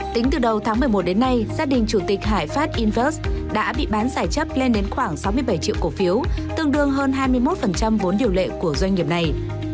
tính từ đầu tháng một mươi một đến nay gia đình chủ tịch hải pháp invest đã bị bán giải chấp lên đến khoảng sáu mươi bảy triệu cổ phiếu tương đương hơn hai mươi một vốn điều lệ của doanh nghiệp này